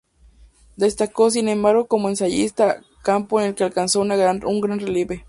Destacó sin embargo como ensayista, campo en el que alcanzó un gran relieve.